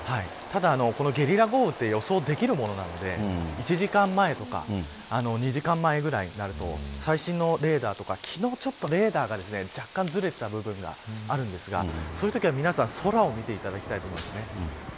ただゲリラ豪雨って予想できるものなので１時間前とか２時間前くらいになると最新のレーダーとか昨日、レーダーが若干ずれていた部分があるんですがそういうときは皆さん空を見ていただきたいです。